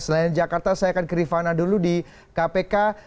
selain jakarta saya akan ke rifana dulu di kpk